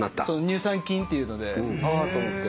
乳酸菌っていうのであ！と思って。